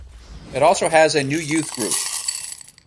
It also has a new Youth Group.